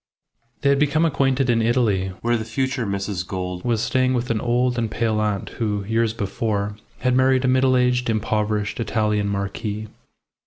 They had become acquainted in Italy, where the future Mrs. Gould was staying with an old and pale aunt who, years before, had married a middle aged, impoverished Italian marquis.